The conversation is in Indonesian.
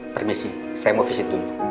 permisi saya mau visit dulu